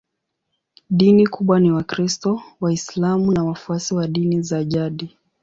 Dini kubwa ni Wakristo, Waislamu na wafuasi wa dini za jadi.